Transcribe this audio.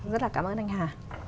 rất là cảm ơn anh hà